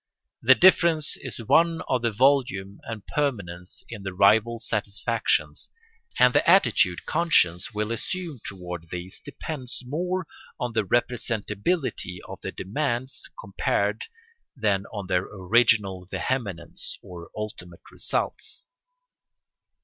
The difference is one of volume and permanence in the rival satisfactions, and the attitude conscience will assume toward these depends more on the representability of the demands compared than on their original vehemence or ultimate results.